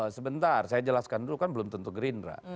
sebentar saya jelaskan dulu kan belum tentu gerindra